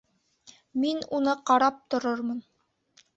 Мин уны ҡарап торормон